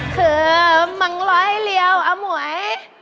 เผื่อมังร้อยเหลียวอม่วย